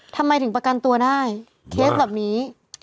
ทำไมถึงประกันตัวได้เคสแบบนี้